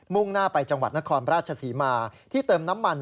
่งหน้าไปจังหวัดนครราชศรีมาที่เติมน้ำมัน